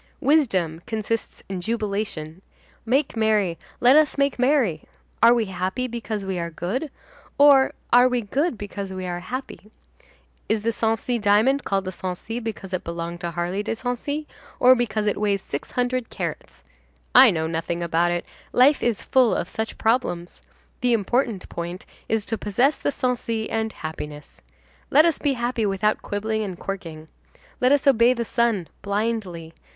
Wisdom consists in jubilation. Make merry, let us make merry. Are we happy because we are good, or are we good because we are happy? Is the Sancy diamond called the Sancy because it belonged to Harley de Sancy, or because it weighs six hundred carats? I know nothing about it, life is full of such problems; the important point is to possess the Sancy and happiness. Let us be happy without quibbling and quirking. Let us obey the sun blindly.